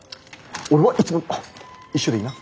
俺はいつもの。